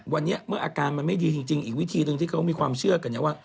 วันนี้เมื่ออาการมันไม่ดีจริงอีกวิธีหนึ่งที่เขามีความเชื่อกันเนี่ยว่า